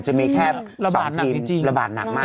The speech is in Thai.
จะมีแค่๒ทีมระบาดหนักมาก